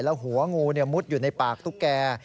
แล้วหัวงูมุดอยู่ในปากตุ๊กแก่